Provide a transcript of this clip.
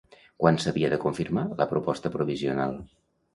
Quan s'havia de confirmar la proposta provisional?